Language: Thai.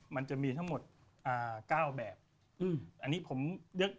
มันจะมีทั้งหมด๙แบบ